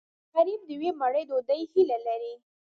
غریب د یوې مړۍ ډوډۍ هیله لري